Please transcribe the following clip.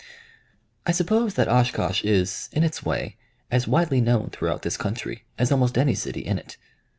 I suppose that Oshkosh is, in its way, as widely known throughout this country as almost any city in it.